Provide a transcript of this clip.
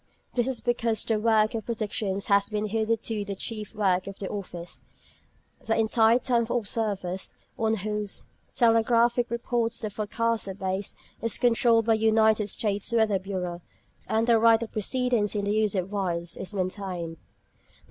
This is because the work of predictions has been hitherto the chief work of the Office: the entire time of the observers, on whose telegraphic reports the forecasts are based, is controlled by the United States Weather Bureau; and the right of precedence in the use of wires is maintained.